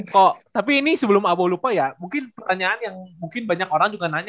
ko tapi ini sebelum abo lupa ya mungkin pertanyaan yang mungkin banyak orang juga nanya ya